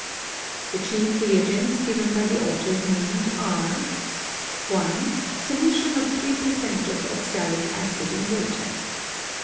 The chief reagents given by the authors named are :— 1. Solution of 3 per cent. of oxalic acid in water.